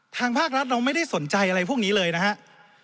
ทางภาครัฐเราไม่ได้สนใจอะไรพวกนี้เลยนะครับ